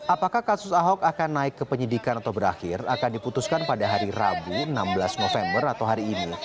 apakah kasus ahok akan naik ke penyidikan atau berakhir akan diputuskan pada hari rabu enam belas november atau hari ini